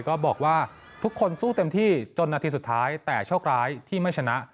ก็บอกว่าทุกคนสู้เต็มที่จนนาทีสุดท้ายแต่โชคร้ายที่ไม่ชนะ